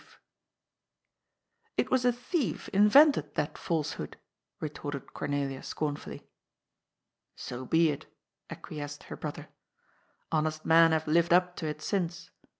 " It was a thief invented that falsehood," retorted Cor nelia scornfully. " So be it," acquiesced her brother. " Honest men have lived up to it since.